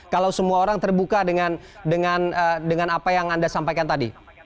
kalau semua orang terbuka dengan apa yang anda sampaikan tadi